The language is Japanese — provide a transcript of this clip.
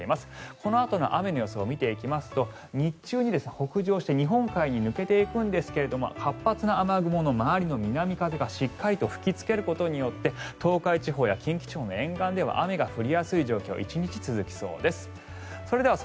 このあとの雨の様子を見ていきますと日中に北上して日本海に抜けていくんですが活発な雨雲の周りの南風がしっかり吹きつけることで東海地方や近畿地方の沿岸では雨が降りやすい状況が１日続きそうです。